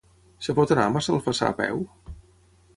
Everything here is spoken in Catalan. Es pot anar a Massalfassar a peu?